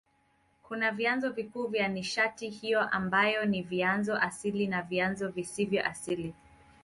Kuna vyanzo vikuu vya nishati hiyo ambavyo ni vyanzo asili na vyanzo visivyo asili.